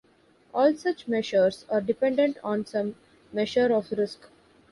All such measures are dependent on some measure of risk.